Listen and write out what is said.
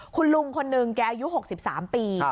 คุณลุงคนหนึ่งแกอายุ๖๓ปี